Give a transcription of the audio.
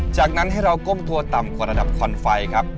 จากนั้นให้เราก้มตัวต่ำกว่าระดับควันไฟครับ